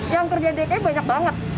yang kerja dki banyak banget